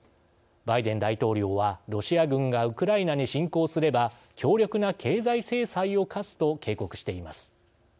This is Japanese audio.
バイデン大統領はロシア軍がウクライナに侵攻すれば強力な経済制裁を課すと警告しています。